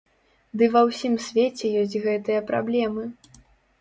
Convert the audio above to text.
Ды ва ўсім свеце ёсць гэтыя праблемы!